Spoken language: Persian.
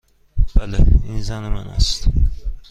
بله. این زن من است.